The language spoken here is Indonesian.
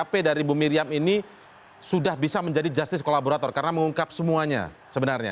tapi dari bu miriam ini sudah bisa menjadi justice kolaborator karena mengungkap semuanya sebenarnya